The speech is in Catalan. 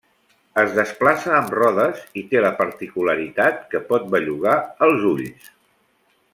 Es desplaça amb rodes i té la particularitat que pot bellugar els ulls.